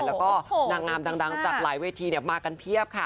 แล้วก็นางงามดังจากหลายเวทีมากันเพียบค่ะ